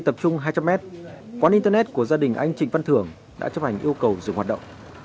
trong một đường trung hai trăm linh m quán internet của gia đình anh trịnh văn thưởng đã chấp hành yêu cầu dựng hoạt động